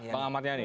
bang ahmad yani